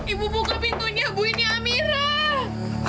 ibu buka pintunya bu ini amirah